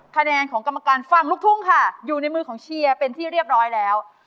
คะแนนของกรรมการฝั่งลูกทุ่งค่ะอยู่ในมือของเชียร์เป็นที่เรียบร้อยแล้ว